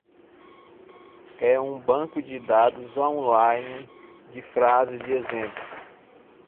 É um banco de dados online de frases de exemplo.